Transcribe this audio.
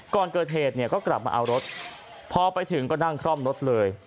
ก่อนเกิดเหตุเนี่ยก็กลับมาเอารถพอไปถึงก็นั่งคล่อมรถเลย